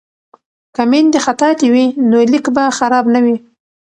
که میندې خطاطې وي نو لیک به خراب نه وي.